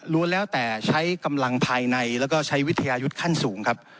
แล้วแต่ใช้กำลังภายในแล้วก็ใช้วิทยายุทธ์ขั้นสูงครับ